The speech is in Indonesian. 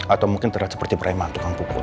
atau mungkin terlihat seperti preman tukang pukul